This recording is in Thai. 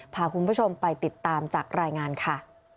พาคุณผู้ชมไปติดตามจากรายงานค่ะ